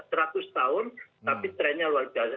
seratus tahun tapi trennya luar biasa